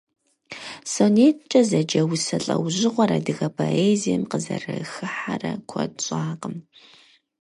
СонеткӀэ зэджэ усэ лӀэужьыгъуэр адыгэ поэзием къызэрыхыхьэрэ куэд щӀакъым.